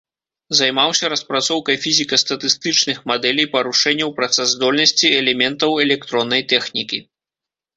Займаўся распрацоўкай фізіка-статыстычных мадэлей парушэнняў працаздольнасці элементаў электроннай тэхнікі.